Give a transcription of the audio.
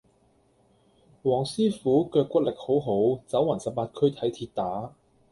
黃師傅腳骨力好好，走勻十八區睇跌打